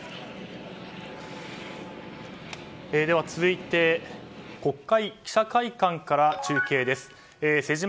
続いて国会記者会館から中継です。